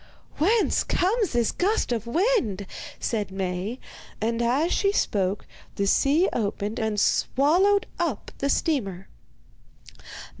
'Whence comes this gust of wind?' said Maie; and as she spoke the sea opened and swallowed up the steamer.